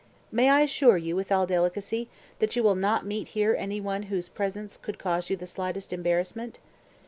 May I assure you, with all delicacy, that you will not meet here anyone whose presence could cause you the slightest embarrassment?